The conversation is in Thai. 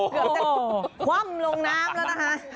มีความล้มลงน้ำแล้วนะคะ